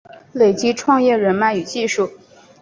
累积创业人脉与技术